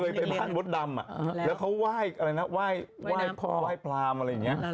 ผมเคยไปบ้านวดดำอะแล้วเขาไหว้อะไรนะไหว้พลามอะไรอย่างเงี้ย